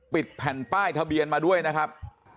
แผ่นป้ายทะเบียนมาด้วยนะครับ